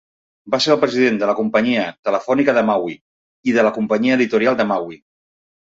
Va ser el president de la companyia telefònica de Maui i de la companyia editorial de Maui.